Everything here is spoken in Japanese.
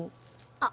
あっ